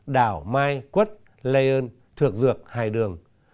đảo mai quất lây ơn thược dược hài đường